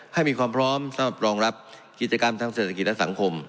ให้มีความพร้อมสำหรับรองรับกิจกรรมทางเศรษฐกิจและสังคม